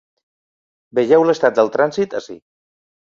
Vegeu l’estat del trànsit ací.